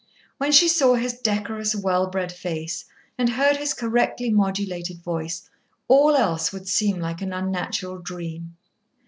When she saw his decorous, well bred face and heard his correctly modulated voice, all else would seem like an unnatural dream.